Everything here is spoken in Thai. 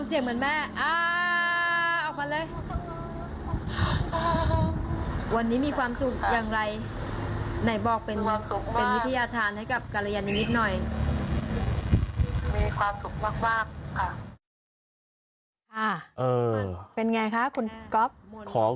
เป็นอย่างไรครับคุณก๊อฟ